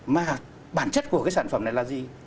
mà bản chất của cái sản phẩm này là gì